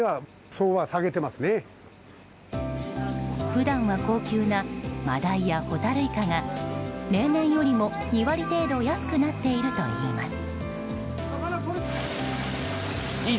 普段は高級なマダイやホタルイカが例年よりも２割程度安くなっているといいます。